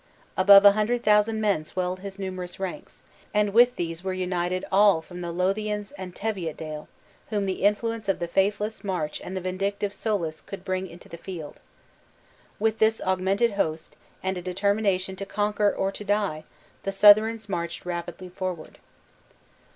Above a hundred thousand men swelled his numerous ranks; and with these were united all from the Lothians and Teviotdale, whom the influence of the faithless March and the vindictive Soulis could bring into the field. With this augmented host, and a determination to conquer or to die, the Southrons marched rapidly forward.